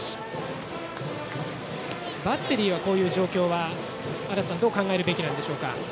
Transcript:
バッテリーはこういう状況は足達さんどう考えるべきでしょうか。